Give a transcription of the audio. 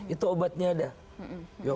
itu obatnya ada